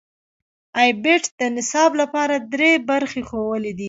ای بیټ د نصاب لپاره درې برخې ښودلې دي.